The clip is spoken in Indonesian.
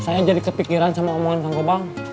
saya jadi kepikiran sama omongan sama bang